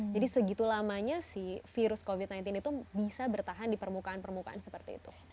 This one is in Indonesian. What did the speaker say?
jadi segitu lamanya si virus covid sembilan belas itu bisa bertahan di permukaan permukaan seperti itu